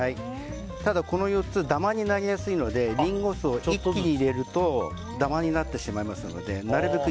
ただ、この４つダマになりやすいのでリンゴ酢を一気に入れるとダマになってしまいますのでなるべく